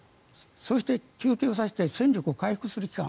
そして、休憩をさせて戦力を回復させる期間